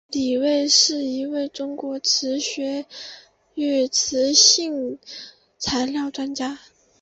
李卫是一位中国磁学与磁性材料专家。